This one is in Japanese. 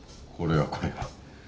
これはこれは。